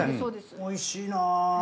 おいしいな。